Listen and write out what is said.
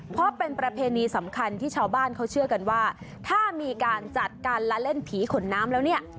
เพราะเป็นประเพณีสำคัญที่ชาวบ้านเขาเชื่อกันว่าถ้ามีการจัดการละเล่นผีขนน้ำแล้วเนี่ย